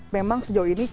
memang sejauh ini